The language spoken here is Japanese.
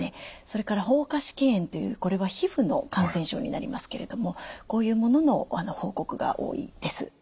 それから蜂窩織炎というこれは皮膚の感染症になりますけれどもこういうものの報告が多いです。